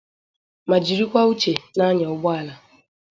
ma jirikwa uchè na-anya ụgbọala